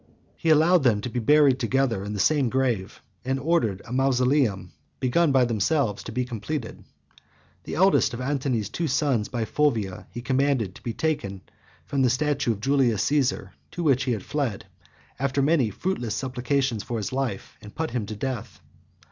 He allowed them to be buried together in the same grave, and ordered a mausoleum, begun by themselves, to be completed. The eldest of Antony's two sons by Fulvia he commanded to be taken by force from the statue of Julius Caesar, to which he had fled, after many fruitless supplications for his life, and put him to death.